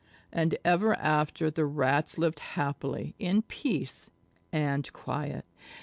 And ever after the Rats lived happily in peace and quiet.